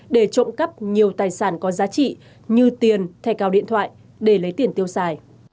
để trộm cắp nhiều tài sản có giá trị như tiền thẻ cào điện thoại để lấy tiền tiêu xài